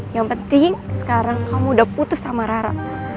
yang penting sekarang kamu udah putus sama rara